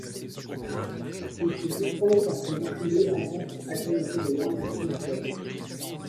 Il se distingue par son bouclier avant agrémenté de larges prises d'air.